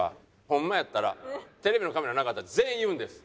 ホンマやったらテレビのカメラなかったら全員言うんです。